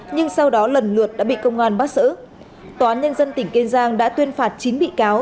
nhưng sau đó lần lượt đã bị công an bắt xử tòa án nhân dân tỉnh kiên giang đã tuyên phạt chín bị cáo